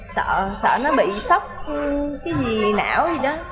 sợ sợ nó bị sốc cái gì não vậy đó